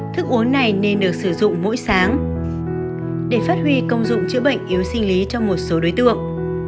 thức uống này nên được sử dụng mỗi sáng để phát huy công dụng chữa bệnh yếu sinh lý cho một số đối tượng